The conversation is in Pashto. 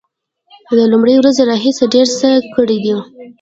له لومړۍ ورځې راهیسې ډیر څه کړي دي